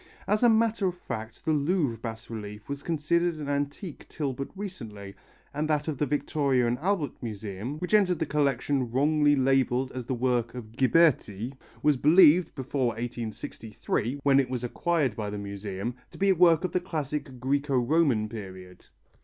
As a matter of fact the Louvre bas relief was considered an antique till but recently, and that of the Victoria and Albert Museum, which entered the collection wrongly labelled as the work of Ghiberti, was believed, before 1863, when it was acquired by the Museum, to be a work of the classic Græco Roman period.